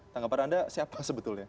tanggapan anda siapa sebetulnya